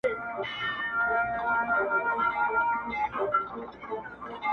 خلک ډېر وه تر درباره رسېدلي.!